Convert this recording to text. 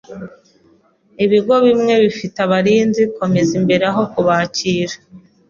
Ibigo bimwe bifite abarinzi kumeza imbere aho kubakira.